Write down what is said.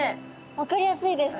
分かりやすいです